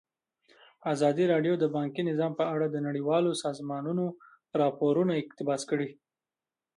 ازادي راډیو د بانکي نظام په اړه د نړیوالو سازمانونو راپورونه اقتباس کړي.